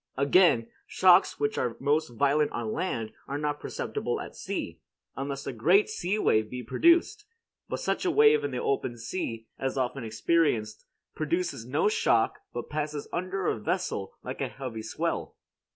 Again, shocks which are most violent on land are not perceptible at sea, unless a great sea wave be produced; but such a wave in the open sea, as often experienced, produces no shock but passes under a vessel like a heavy swell.